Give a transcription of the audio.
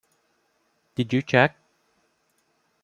Did you check?